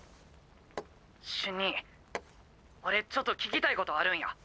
瞬兄俺ちょっと聞きたいことあるんや。